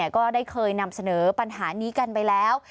ก็ได้เคยนำเสนอปัญหานี้กันไปแล้ว